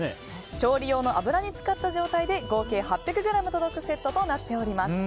調理用の油に漬かった状態で合計８００ｇ届くセットとなっております。